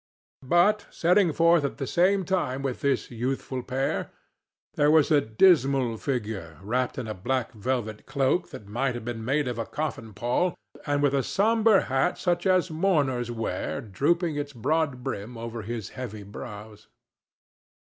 But, setting forth at the same time with this youthful pair, there was a dismal figure wrapped in a black velvet cloak that might have been made of a coffin pall, and with a sombre hat such as mourners wear drooping its broad brim over his heavy brows.